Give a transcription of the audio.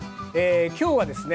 きょうはですね